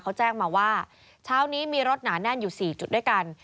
เขาแจ้งมาว่าเช้านี้มีรถหนาแน่นอยู่๔จุดด้วยกัน